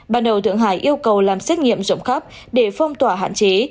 ban đầu thượng hải yêu cầu làm xét nghiệm rộng khắp để phong tỏa hạn chế